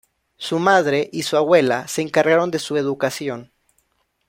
Su madre y su abuela se encargaron de su educación.